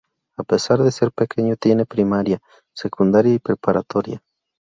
A pesar de ser pequeño, tiene primaria, secundaria y preparatoria.